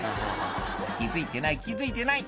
「気付いてない気付いてない」